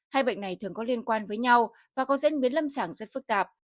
hai bệnh này thường có liên quan với nhau và có diễn biến lâm sản rất phức tạp